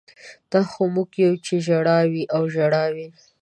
دا خو موږ یو چې ژړا وي او ژړا وي